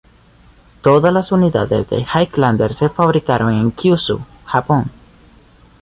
Todas las unidades del Highlander se fabricaron en Kyushu, Japón.